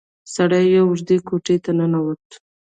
سړی يوې اوږدې کوټې ته ننوت.